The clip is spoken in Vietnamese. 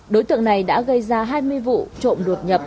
đối tượng này đã gây ra hai mươi vụ trộm đột nhập